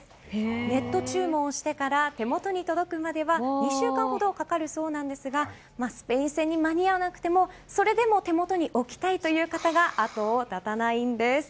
ネット注文をしてから手元に届くまでは２週間ほどかかるそうなんですがスペイン戦に間に合わなくてもそれでも手元に置きたいという方が後を絶たないんです。